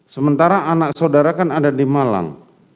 sementara anak saudara kan ada di malang